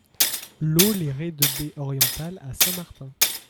LOT LES RES DE BAIE ORIENTALE à Saint Martin